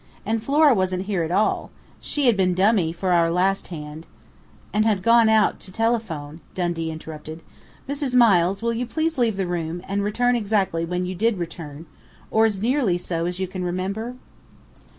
"And Flora wasn't here at all she had been dummy for our last hand " "And had gone out to telephone," Dundee interrupted. "Mrs. Miles, will you please leave the room, and return exactly when you did return or as nearly so as you can remember?"